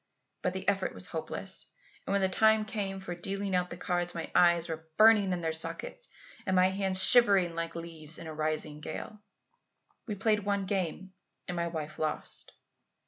But the effort was hopeless, and when the time came for dealing out the cards, my eyes were burning in their sockets and my hands shivering like leaves in a rising gale. "We played one game and my wife lost.